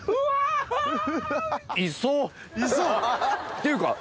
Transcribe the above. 磯？っていうか。